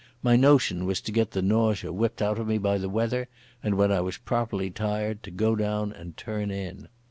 My notion was to get the nausea whipped out of me by the weather, and, when I was properly tired, to go down and turn in.